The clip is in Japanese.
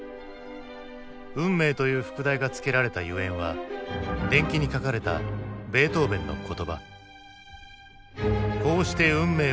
「運命」という副題が付けられたゆえんは伝記に書かれたベートーヴェンの言葉。